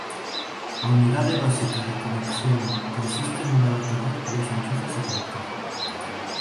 A unidade básica de conexión consiste nun adaptador e dous enchufes de conector.